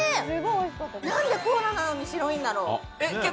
なんでコーラなのに白いんだろう。